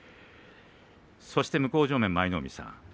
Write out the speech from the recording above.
そして向正面の舞の海さん